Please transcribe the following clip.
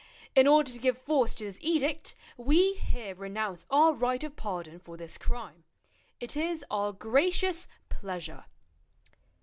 In order to give force to this edict We here renounce our right of pardon for This crime. It is our gracious pleasure."